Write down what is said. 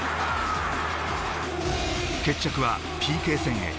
決着はＰＫ戦へ。